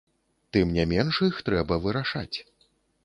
Тым не менш іх трэба вырашаць.